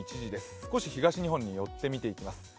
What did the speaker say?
少し東日本に寄って見ていきます。